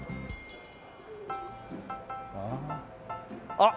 あっ！